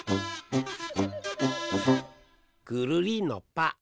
ぐるりんのぱ！